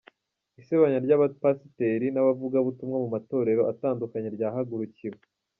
Isebanya ry’abapasiteri n’abavugabutumwa mu matorero atandukanye ryahagurukiwe